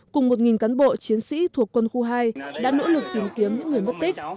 cùng một cán bộ chiến sĩ thuộc quân khu hai đã nỗ lực tìm kiếm những người mất tích